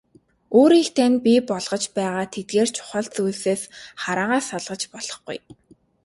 Өөрийг тань бий болгож байгаа тэдгээр чухал зүйлсээс хараагаа салгаж болохгүй.